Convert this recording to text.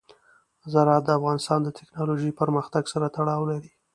زراعت د افغانستان د تکنالوژۍ پرمختګ سره تړاو لري.